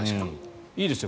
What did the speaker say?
いいですね。